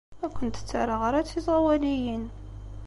Ur kent-ttaraɣ ara d tiẓawaliyin.